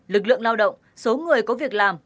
lực lượng lao động số người có việc làm